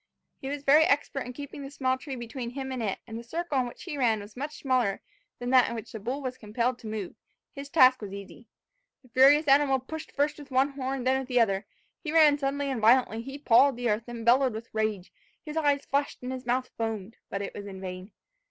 He was very expert in keeping the small tree between him and it; and as the circle in which he ran was much smaller than that in which the bull was compelled to move, his task was easy. The furious animal pushed first with one horn then with the other; he ran suddenly and violently; he pawed the earth, and bellowed with rage; his eyes flashed and his mouth foamed, but it was in vain.